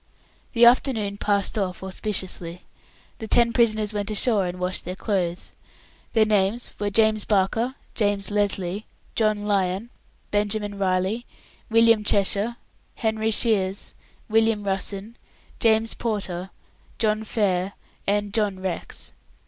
The afternoon passed off auspiciously. The ten prisoners went ashore and washed their clothes. Their names were James Barker, James Lesly, John Lyon, Benjamin Riley, William Cheshire, Henry Shiers, William Russen, James Porter, John Fair, and John Rex.